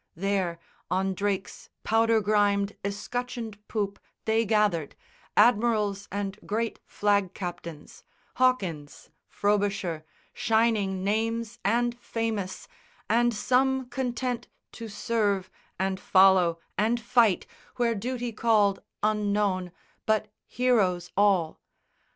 There, on Drake's powder grimed escutcheoned poop They gathered, Admirals and great flag captains, Hawking, Frobisher, shining names and famous, And some content to serve and follow and fight Where duty called unknown, but heroes all.